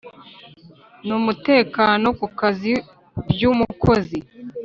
N umutekano ku kazi by umukozi